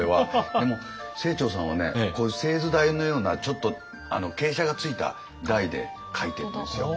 でも清張さんはねこういう製図台のようなちょっと傾斜がついた台で書いてるんですよ。